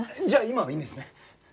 じゃあ今はいいんですね？